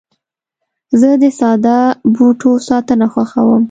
زه د ساده بوټو ساتنه خوښوم.